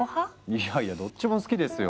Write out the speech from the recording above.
いやいやどっちも好きですよ。